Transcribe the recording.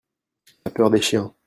La peur des chiens.